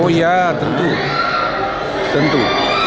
oh ya tentu tentu